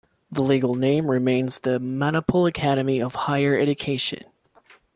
The legal name remains the Manipal Academy of Higher Education.